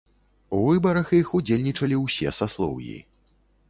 У выбарах іх удзельнічалі ўсе саслоўі.